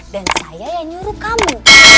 dan saya yang nyuruh kamu